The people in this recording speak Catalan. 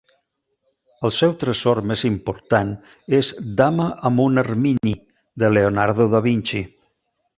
El seu tresor més important és "Dama amb un ermini" de Leonardo da Vinci.